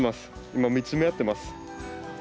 今、見つめ合ってます。